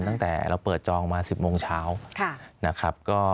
ตั้งแต่เราเปิดจองมา๑๐โมงเช้า